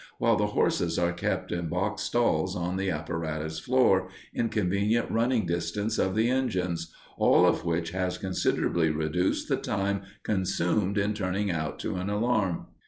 while the horses are kept in box stalls on the apparatus floor, in convenient running distance of the engines, all of which has considerably reduced the time consumed in turning out to an alarm.